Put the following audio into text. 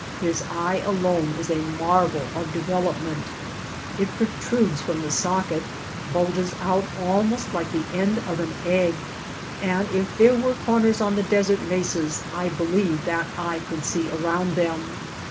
His eye alone is a marvel of development. It protrudes from the socket DESERT ANIMALS 165 — bulges out almost like the end of an egg — and if there were corners on the desert mesas I believe that eye could see around them.